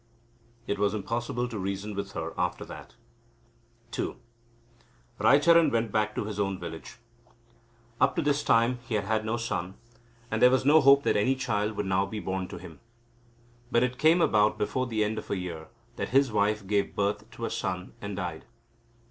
It was impossible to reason with her after that. II Raicharan went back to his own village. Up to this time he had had no son, and there was no hope that any child would now be born to him. But it came about before the end of a year that his wife gave birth to a son and died.